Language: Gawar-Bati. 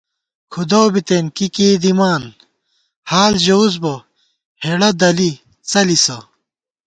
کھُدَؤ بِتېن کی کېئی دِمان، حال ژَوُس بہ ہېڑہ دَلی څَلِسہ